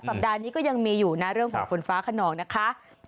สัปดาห์นี้ก็ยังมีอยู่นะเรื่องของฝนฟ้าขนองนะคะ